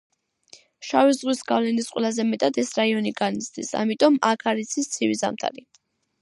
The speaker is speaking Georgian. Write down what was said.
შავი ზღვის გავლენის ყველაზე მეტად ეს რაიონი განიცდის, ამიტომ აქ არ იცის ცივი ზამთარი.